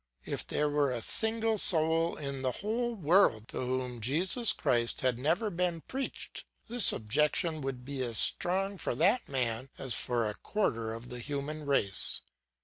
If there were a single soul in the whole world, to whom Jesus Christ had never been preached, this objection would be as strong for that man as for a quarter of the human race.